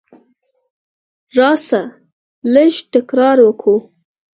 راسه! لږ تکرار وکو.